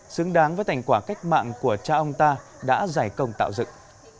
xứng đáng với thành quả cách mạng của cha ông ta đã giải công tạo dựng